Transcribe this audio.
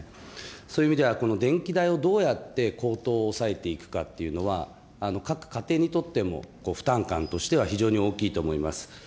そういう意味では、この電気代をどうやって高騰を抑えていくかというのは、各家庭にとっても負担感としては非常に大きいと思います。